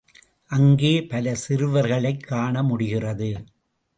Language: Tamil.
அங்கே பல சிறுவர்களைக் காணமுடிகிறது.